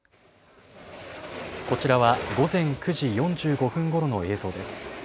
こちらは午前９時４５分ごろの映像です。